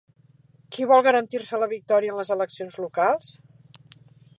Qui vol garantir-se la victòria en les eleccions locals?